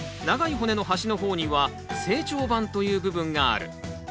長い骨の端の方には「成長板」という部分がある。